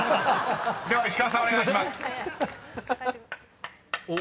［では石川さんお願いします］